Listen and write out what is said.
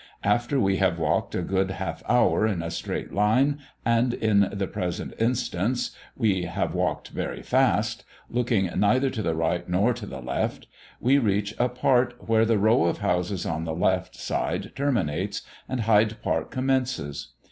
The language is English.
After we have walked a good half hour in a straight line, and in the present instance we have walked very fast, looking neither to the right nor to the left, we reach a part where the row of houses on the left side terminates, and Hyde Park commences.